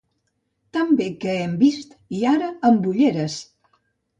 Tan bé que hem vist i ara amb ulleres!